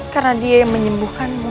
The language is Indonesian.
karena dia yang menyembuhkanmu